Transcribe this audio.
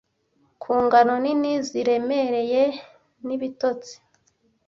ku ngano nini ziremereye n'ibitotsi